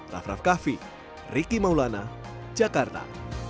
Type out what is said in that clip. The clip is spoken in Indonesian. rafraf kahfi riki maulana jakarta